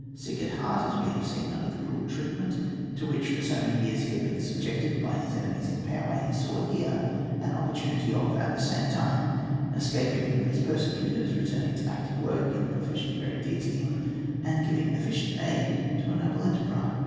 Sick at heart, as we have seen, under the cruel treatment to which for so many years he had been subjected by his enemies in power, he saw here an opportunity of, at the same time, escaping from his persecutors, returning to active work in a profession very dear to him, and giving efficient aid to a noble enterprise.